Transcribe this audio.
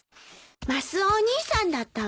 マスオお兄さんだったわ。